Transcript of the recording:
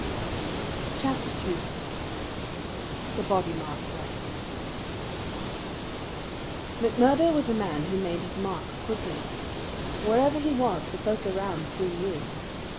Chapter 2 The Bodymaster McMurdo was a man who made his mark quickly. Wherever he was the folk around soon knew it.